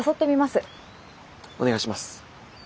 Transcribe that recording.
お願いします。